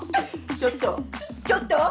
ちょっとちょっと！